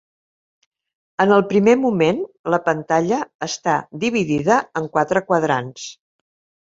En el primer moment la pantalla està dividida en quatre quadrants.